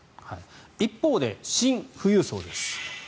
一方で、シン富裕層です。